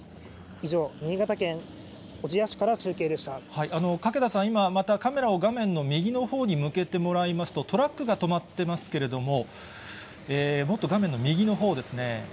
以上、懸田さん、今、またカメラを画面の右のほうに向けてもらいますと、トラックが止まってますけれども、もっと画面の右のほうですね。